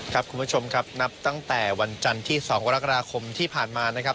คุณผู้ชมครับนับตั้งแต่วันจันทร์ที่๒กรกฎาคมที่ผ่านมานะครับ